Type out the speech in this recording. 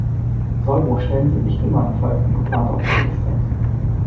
Sollbruchstellen sind nicht immer ein Fall von geplanter Obsoleszenz.